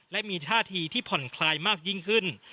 และมีท่าทีที่ผ่อนคลายมากยิ่งขึ้น